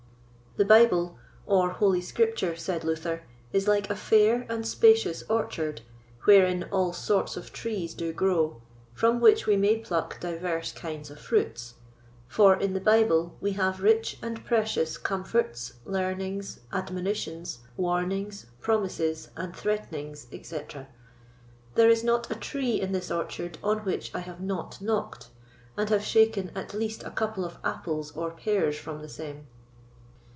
THE BIBLE, or Holy Scripture, said Luther, is like a fair and spacious orchard, wherein all sorts of trees do grow, from which we may pluck divers kinds of fruits; for in the Bible we have rich and precious comforts, learnings, admonitions, warnings, promises, and threatenings, etc. There is not a tree in this orchard on which I have not knocked, and have shaken at least a couple of apples or pears from the same.